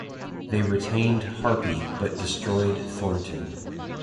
They retained "Harpy" but destroyed "Thornton".